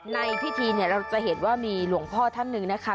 ในพิธีเนี่ยเราจะเห็นว่ามีหลวงพ่อท่านหนึ่งนะคะ